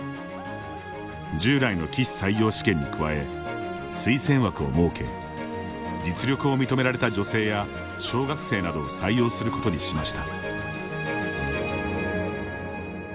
従来の棋士採用試験に加え推薦枠を設け実力を認められた女性や小学生などを採用することにしました。